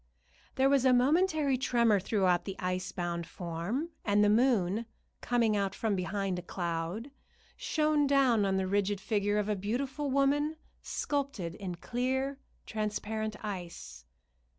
There was a momentary tremor throughout the ice bound form, and the moon, coming out from behind a cloud, shone down on the rigid figure of a beautiful woman sculptured in clear, transparent ice.